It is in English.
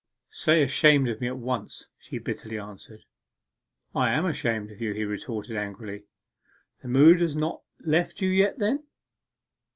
'Say ashamed of me at once,' she bitterly answered. 'I am ashamed of you,' he retorted angrily; 'the mood has not left you yet, then?